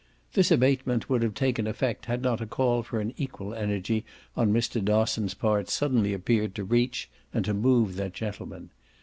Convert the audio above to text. This abatement would have taken effect had not a call for an equal energy on Mr. Dosson's part suddenly appeared to reach and to move that gentleman.